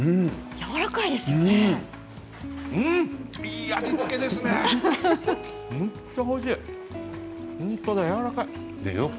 やわらかいですよね。